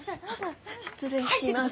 失礼します。